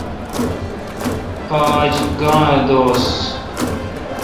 آج گاں اؘ دوس۔